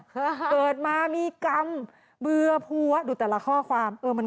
เกิดมามีกรรมเบื่อพัวดูแต่ละข้อความเออมัน